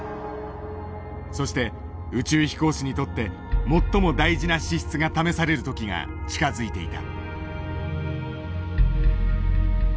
そして宇宙飛行士にとって最も大事な資質が試される時が近づいていた。